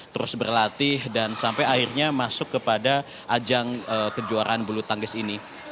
terus berlatih dan sampai akhirnya masuk kepada ajang kejuaraan bulu tangkis ini